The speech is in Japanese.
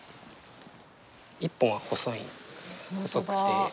１本は細い細くて。